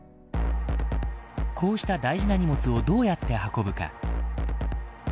こうした大事な荷物をどうやって運ぶか。